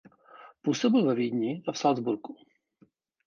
Působil ve Vídni a v Salzburgu.